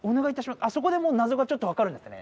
そこでもう謎がちょっと分かるんですね